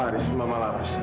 fadil ada keperluan sebentar